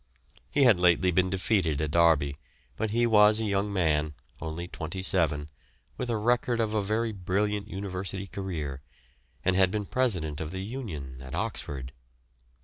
He had lately been defeated at Derby, but he was a young man, only 27, with a record of a very brilliant university career, and had been president of the Union at Oxford.